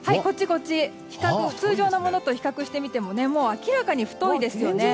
通常のものと比較してみても明らかに太いですよね。